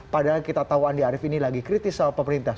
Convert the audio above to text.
padahal kita tahu andi arief ini lagi kritis sama pemerintah